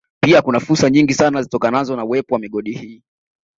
Pia kuna fursa nyingi sana zitokanazo na uwepo wa migodi hii